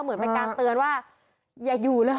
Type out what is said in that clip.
เหมือนเป็นการเตือนว่าอย่าอยู่เลยเห